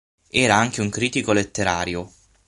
Era anche un critico letterario.